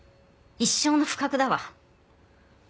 一生の不覚だわ。